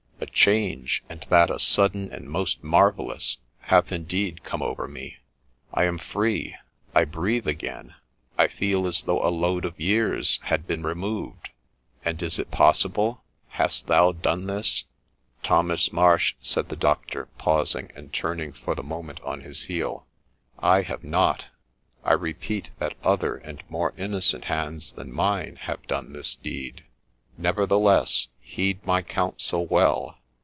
A change, and that a sudden and most marvellous, hath indeed come over me ; I am free ; I breathe again ; I feel as though a load of years had been removed ; and, is it possible ?— hast thou done this ?'' Thomas Marsh !' said the doctor, pausing, and turning for the moment on his heel, ' I have not : I repeat, that other and more innocent hands than mine have done this deed. Never theless, heed my counsel well